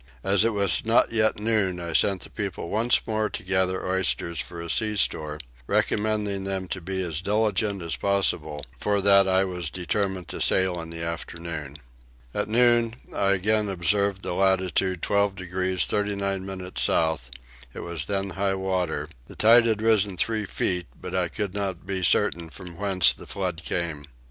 As it was not yet noon I sent the people once more to gather oysters for a sea store, recommending to them to be as diligent as possible for that I was determined to sail in the afternoon. At noon I again observed the latitude 12 degrees 39 minutes south; it was then high water, the tide had risen three feet, but I could not be certain from whence the flood came.